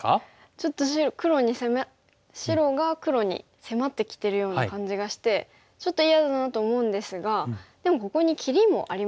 ちょっと白が黒に迫ってきてるような感じがしてちょっと嫌だなと思うんですがでもここに切りもありますし。